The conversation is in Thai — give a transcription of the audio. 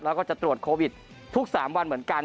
แล้วก็จะตรวจโควิดทุก๓วันเหมือนกัน